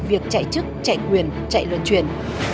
việc chạy chức chạy quyền chạy luân chuyển